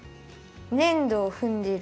ねんどをふんでる。